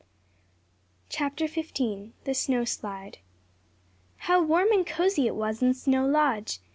CHAPTER XV THE SNOW SLIDE How warm and cozy it was in Snow Lodge!